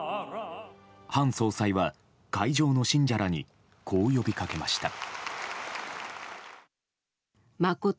韓総裁は、会場の信者らにこう呼びかけました。